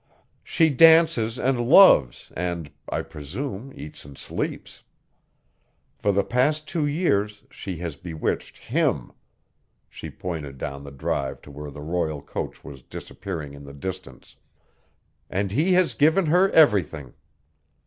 "She dances and loves, and, I presume, eats and sleeps. For the past two years she has bewitched him" she pointed down the drive to where the royal coach was disappearing in the distance "and he has given her everything.